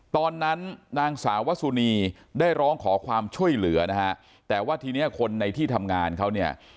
นางสาววสุนีได้ร้องขอความช่วยเหลือนะฮะแต่ว่าทีเนี้ยคนในที่ทำงานเขาเนี่ย